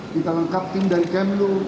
kita lengkap tim dari kemlu